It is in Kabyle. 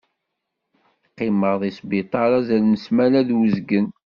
Qqimeɣ deg sbiṭar azal n smana d uzgen.